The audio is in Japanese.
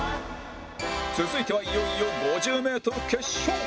続いてはいよいよ５０メートル決勝